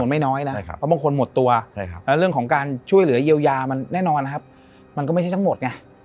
เพราะบางคนหมดตัวและเรื่องของการช่วยเหลือเยียวยามันไม่ใช่ทั้งหมด